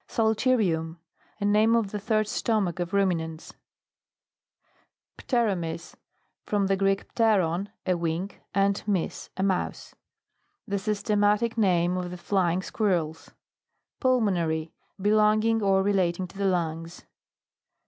PSALTERIUM. A name of the third stnnruch of ruminants. PTEROMYS. From the Greek, pteron, a wing, and wus,a mouse. The sys tematicn tme ofthe flying squirrels. PULMONARY. Belonging or relating to the lungs.